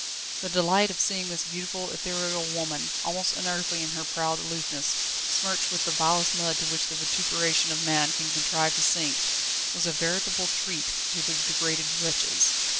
The delight of seeing this beautiful, ethereal woman, almost unearthly in her proud aloofness, smirched with the vilest mud to which the vituperation of man can contrive to sink, was a veritable treat to the degraded wretches.